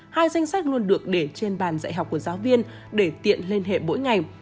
hai danh sách luôn được để trên bàn dạy học của giáo viên để tiện liên hệ mỗi ngày